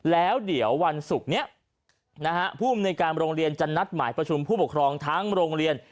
แล้วเดี๋ยววันศุกร์นี้ผู้อำนวยการโรงเรียนจะนัดหมายประชุมผู้ปกครองทั้งโรงเรียน